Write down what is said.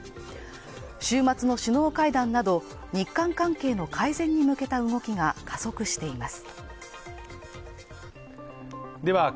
週末の首脳会談など日韓関係の改善に向けた動きが加速しています。